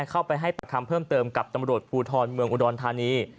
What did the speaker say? เข้าไปให้ปากคำเพิ่มเติมกับตำรวจภูทรเมืองอุดรธานี